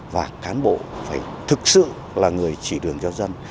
và cán bộ phải thực sự là người chỉ đường cho dân